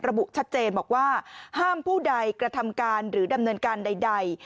ระบุชัดเจนบอกว่าห้ามผู้ใดกระทำการหรือดำเนินการใด